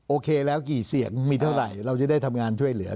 โอเคแล้วกี่เสียงมีเท่าไหร่เราจะได้ทำงานช่วยเหลือ